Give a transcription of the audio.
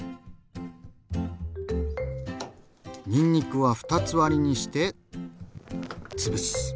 にんにくは２つ割りにしてつぶす。